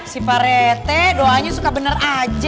si pak rete doanya suka bener aja